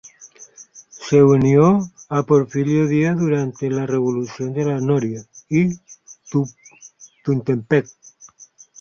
Se unió a Porfirio Díaz durante las revoluciones de la Noria y Tuxtepec.